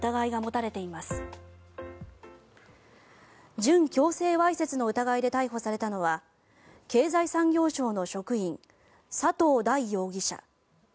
準強制わいせつの疑いで逮捕されたのは経済産業省の職員佐藤大容疑者。